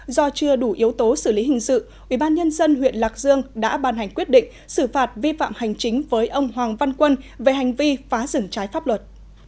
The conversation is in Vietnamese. do chưa đủ yếu tố xử lý hình sự ubnd huyện lạc dương đã ban hành quyết định xử phạt vi phạm hành chính với ông hoàng văn quân về hành vi phá rừng trái pháp luật